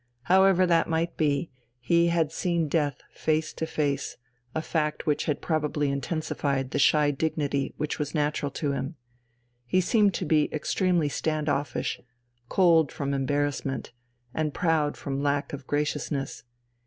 However that might be, he had seen Death face to face, a fact which had probably intensified the shy dignity which was natural to him. He seemed to be extremely standoffish, cold from embarrassment, and proud from lack of graciousness.